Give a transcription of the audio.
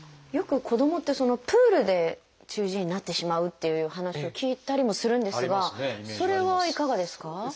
よく子どもってプールで中耳炎になってしまうっていう話を聞いたりもするんですがそれはいかがですか？